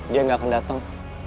dia nggak akan dateng